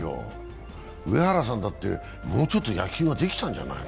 上原さんだって、もうちょっと野球ができたんじゃないの？